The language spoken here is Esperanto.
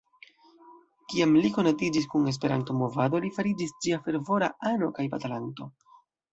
Kiam li konatiĝis kun Esperanto-movado, li fariĝis ĝia fervora ano kaj batalanto.